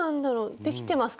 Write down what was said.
できてますか？